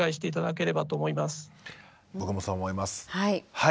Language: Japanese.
はい。